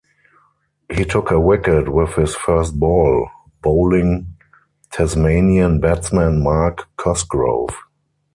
He took a wicket with his first ball, bowling Tasmanian batsman Mark Cosgrove.